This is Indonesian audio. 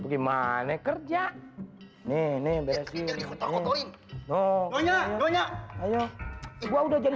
gimana kerja nih nih berhasil ngomong ngomong oh ya ayo gua udah jadi